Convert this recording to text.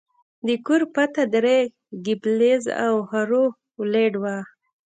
د کور پته درې ګیبلز او هارو ویلډ وه